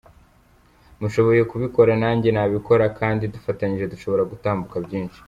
Mushoboye kubikora nanjye nabikora kandi dufatanyije dushobora gutambuka byinshi.